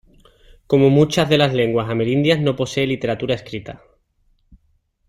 Como muchas de las lenguas amerindias no posee literatura escrita.